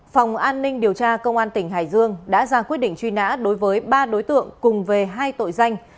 phòng an ninh điều tra công an tỉnh hải dương đã ra quyết định truy nã đối với ba đối tượng cùng về hai tội danh